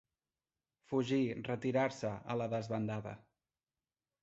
Fugir, retirar-se, a la desbandada.